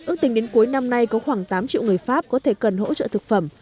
ước tình đến cuối năm nay có khoảng tám triệu người pháp có thể cần hỗ trợ thực phẩm